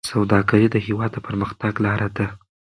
سوداګري د هېواد د پرمختګ لاره ده.